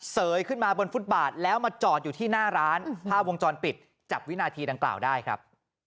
เสยขึ้นมาบนฟุตบาทแล้วมาจอดอยู่ที่หน้าร้านภาพวงจรปิดจับวินาทีดังกล่าวได้ครับ